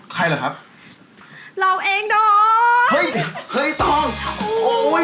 ใครเหรอครับเราเองโดยเฮ้ยเฮ้ยตองโอ้ย